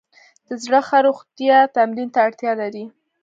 د زړه ښه روغتیا تمرین ته اړتیا لري.